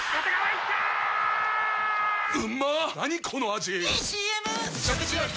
⁉いいＣＭ！！